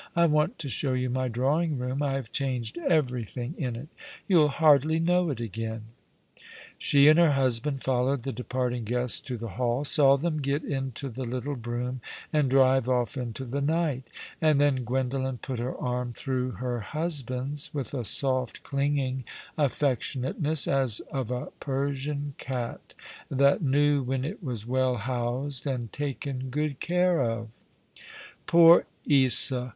I waut to show you my drawing room. I have changed everything in it. You'll hardly know it again." She and her husband followed the departing guests to the hall, saw them get into the little brougham and drive off into the night ; and then Gwendolen put her arm through her husband's with a soft clinging affectionateness, as of a Persian cat, that knew when it was well housed and taken good care of. "Poor Isa